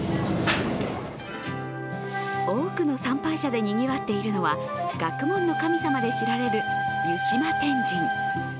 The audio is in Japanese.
多くの参拝者でにぎわっているのは学問の神様で知られる湯島天神。